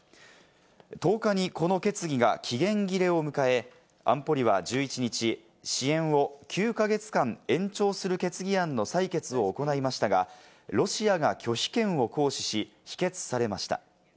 １０日にこの決議が期限切れを迎え、安保理は１１日、支援を９か月間延長する決議案の採決を行いましたが、ロシアが拒否権を行使し、否決されました。